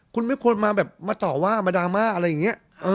คุณไม่ควรมาต่อว่ามาดราม่าอะไรอย่างเงี้ย